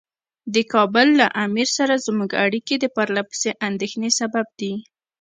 د کابل له امیر سره زموږ اړیکې د پرله پسې اندېښنې سبب دي.